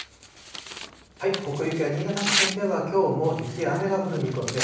北陸や新潟付近では、きょうも雪や雨が降る見込みです。